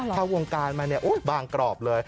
เข้าวงการมาเนี่ยบางกรอบเลย